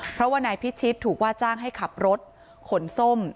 เพราะว่านายพิชิตถูกว่าจ้างให้ขับรถขนส้ม